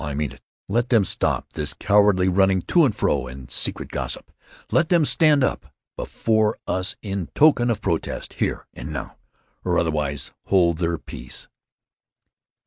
I mean it! Let them stop this cowardly running to and fro and secret gossip. Let them stand right up before us, in token of protest, here—and—now! or otherwise hold their peace!"